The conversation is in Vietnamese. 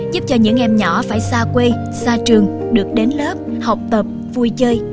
giúp cho những em nhỏ phải xa quê xa trường được đến lớp học tập vui chơi